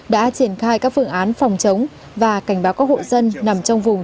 đã triển khai các phương án phòng chống và cảnh báo các hộ dân nằm trong vùng